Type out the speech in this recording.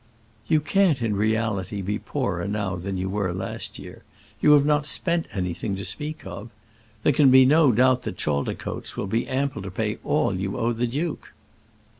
"You can't in reality be poorer now than you were last year. You have not spent anything to speak of. There can be no doubt that Chaldicotes will be ample to pay all you owe the duke."